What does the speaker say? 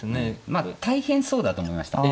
まあ大変そうだと思いました。